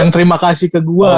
yang terima kasih ke gue